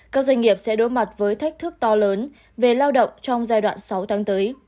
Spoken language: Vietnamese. các doanh nghiệp sẽ đối mặt với thách thức to lớn về lao động trong giai đoạn sáu tháng tới